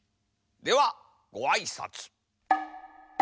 ではごあいさつ。